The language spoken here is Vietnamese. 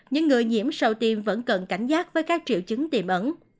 những người nhiễm sau tiêm vẫn cần cảnh giác với các triệu chứng tiềm ẩn